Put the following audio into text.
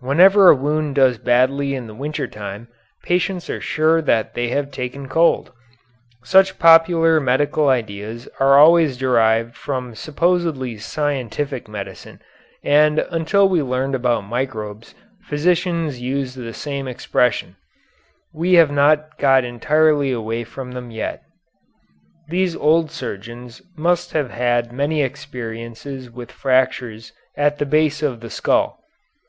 Whenever a wound does badly in the winter time patients are sure that they have taken cold. Such popular medical ideas are always derived from supposedly scientific medicine, and until we learned about microbes physicians used the same expressions. We have not got entirely away from them yet. These old surgeons must have had many experiences with fractures at the base of the skull.